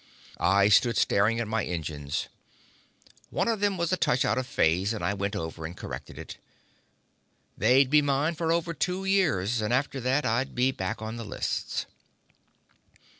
I stood staring at my engines. One of them was a touch out of phase and I went over and corrected it. They'd be mine for over two years and after that, I'd be back on the lists.